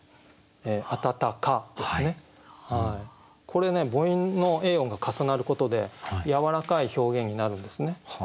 これね母音の「ａ音」が重なることでやわらかい表現になるんですね。